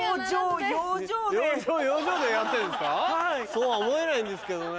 そうは思えないんですけどね。